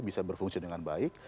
bisa berfungsi dengan baik